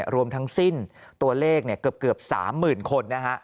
รวมทั้งสิ้นตัวเลขเกือบ๓๐๐๐คนนะฮะ